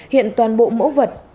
hiện toàn bộ mẫu vật